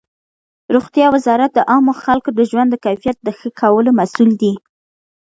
روغتیا وزارت د عامو خلکو د ژوند د کیفیت د ښه کولو مسؤل دی.